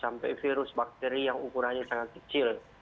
sampai virus bakteri yang ukurannya sangat kecil